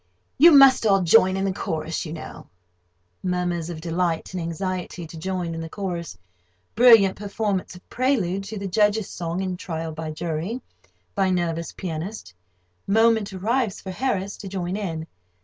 You must all join in the chorus, you know." [Murmurs of delight and anxiety to join in the chorus. Brilliant performance of prelude to the Judge's song in "Trial by Jury" by nervous Pianist. Moment arrives for Harris to join in.